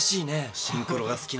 シンクロが好きなんだ。